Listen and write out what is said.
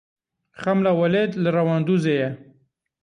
Xemla Welêt li Rewandûzê ye.